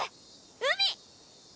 海！